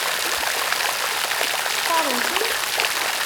Xtaṛen-tent?